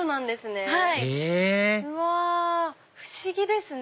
へぇうわ不思議ですね。